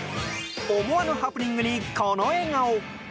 思わぬハプニングに、この笑顔。